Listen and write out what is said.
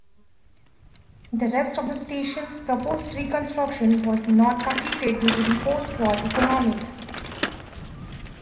The rest of the station's proposed reconstruction was not completed due to post-war economies.